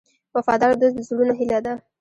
وفادار دوست د زړونو هیله ده.